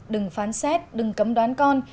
đừng phán xét đừng cấm đoán con